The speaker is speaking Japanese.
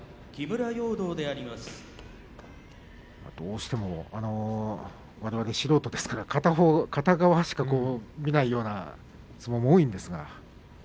どうしてもわれわれ素人は片側片側しか見ないような相撲も多いんですが。